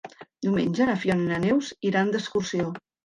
Diumenge na Fiona i na Neus iran d'excursió.